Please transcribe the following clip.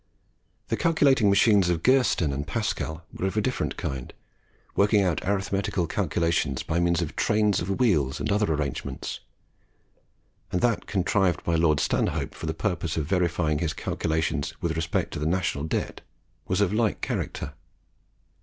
The calculating machines of Gersten and Pascal were of a different kind, working out arithmetical calculations by means of trains of wheels and other arrangements; and that contrived by Lord Stanhope for the purpose of verifying his calculations with respect to the National Debt was of like character.